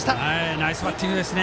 ナイスバッティングでした。